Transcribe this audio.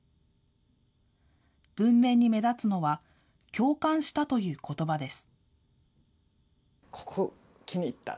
文面に目立つのは、共感したということばです。